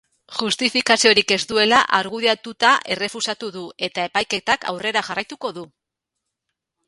Justifikaziorik ez duela argudiatuta errefusatu du, eta epaiketak aurrera jarraituko du.